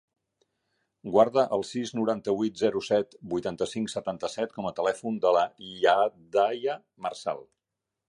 Guarda el sis, noranta-vuit, zero, set, vuitanta-cinc, setanta-set com a telèfon de la Hidaya Marsal.